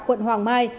quận hoàng mai